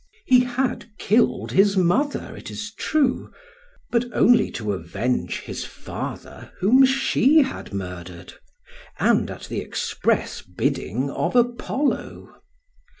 He had killed his mother, it is true, but only to avenge his father whom she had murdered, and at the express bidding of Apollo.